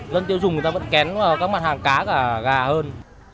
dân tiêu dùng người ta vẫn kén các mặt hàng cá cả gà hơn